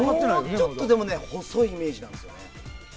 もうちょっと細いイメージなんですよね。